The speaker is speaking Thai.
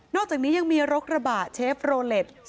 นอกจากนี้ยังมีโรคระบะเชฟโรเล็ตสีน้ำเงิน